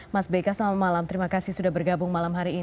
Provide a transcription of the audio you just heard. mas beka selamat malam terima kasih sudah bergabung malam hari ini